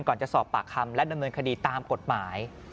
ก่อนจะสอบปากคำและดำเนินคดีตามกฎหมาย